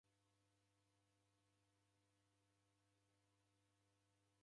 Nasinda di nyumbenyi